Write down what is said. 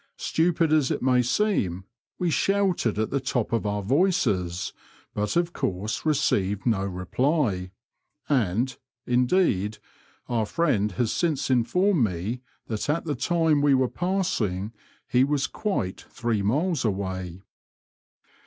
Stupid as it may seem, we shouted at the top of our voices, but of course received no reply, and, indeed, our friend has since informed me that at the time we were passing he was quite three miles away.